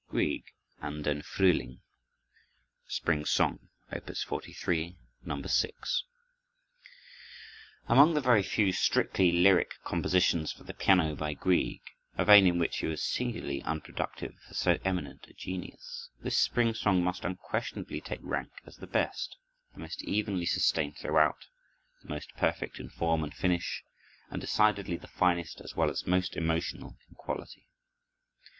Grieg: An den Frühling (Spring Song), Op. 43, No. 6 Among the very few strictly lyric compositions for the piano by Grieg,—a vein in which he was singularly unproductive for so eminent a genius,—this spring song must unquestionably take rank as the best, the most evenly sustained throughout, the most perfect in form and finish, and decidedly the finest as well as most emotional in quality.